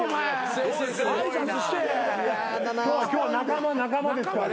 今日は仲間仲間ですから。